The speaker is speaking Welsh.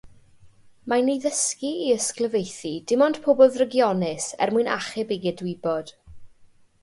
Mae'n ei ddysgu i ysglyfaethu dim ond pobl ddrygionus er mwyn achub ei gydwybod.